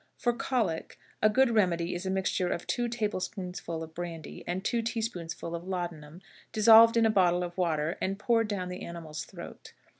For colic, a good remedy is a mixture of two table spoonfuls of brandy and two tea spoonfuls of laudanum dissolved in a bottle of water and poured down the animal's throat.